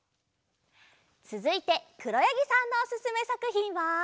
つづいてくろやぎさんのおすすめさくひんは。